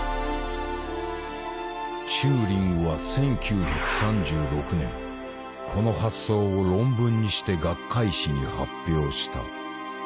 チューリングは１９３６年この発想を論文にして学会誌に発表した。